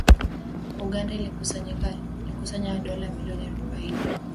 Uganda ilikusanya dola milioni arubaini